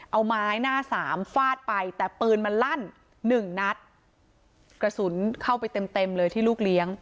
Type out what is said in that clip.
เอาไม้หน้าสามฟาดไปแต่ปืนมันลั่นหนึ่งนัดกระสุนเข้าไปเต็มเต็มเลยที่ลูกเลี้ยง